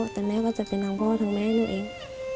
แต่แม่ก็จะเป็นทั้งพ่อทั้งแม่หนูเอง